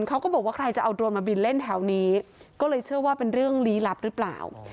เขาก็บอกว่าใครจะเอาโดรนมาบินเล่นแถวนี้ก็เลยเชื่อว่าเป็นเรื่องลี้ลับหรือเปล่า